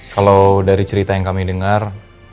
kalau dari cerita yang kami dengar